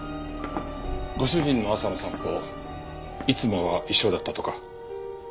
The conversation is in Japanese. ご主人の朝の散歩いつもは一緒だったとか。